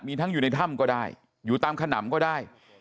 มีทั้งอยู่ในถ้ำก็ได้อยู่ตามขนำก็ได้